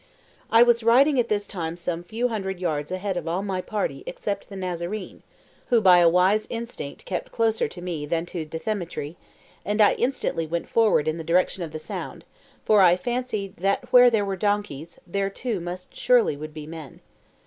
I was riding at this time some few hundred yards ahead of all my party except the Nazarene (who by a wise instinct kept closer to me than to Dthemetri), and I instantly went forward in the direction of the sound, for I fancied that where there were donkeys, there too most surely would be men.